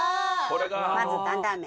まず担々麺。